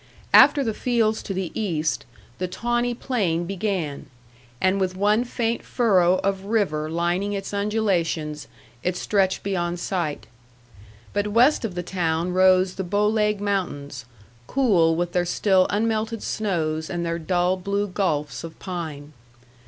After the fields to the east, the tawny plain began; and with one faint furrow of river lining its undulations, it stretched beyond sight. But west of the town rose the Bow Leg Mountains, cool with their still unmelted snows and their dull blue gulfs of pine.